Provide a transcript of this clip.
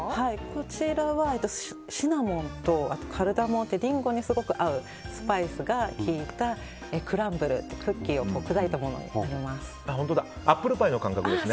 こちらはシナモンとカルダモンというリンゴにすごく合うスパイスが効いたクランブルというクッキーを砕いたものになります。